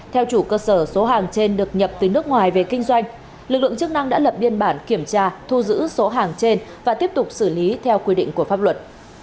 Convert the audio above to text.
theo chủ cơ sở số hàng trên được nhập từ nước ngoài về kinh doanh lực lượng chức năng đã lập biên bản kiểm tra thu giữ số hàng trên và tiếp tục xử lý theo quy định của pháp luật